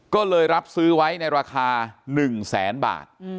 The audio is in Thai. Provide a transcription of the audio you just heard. ก็เลยรับซื้อไว้ในราคา๑แสนบาท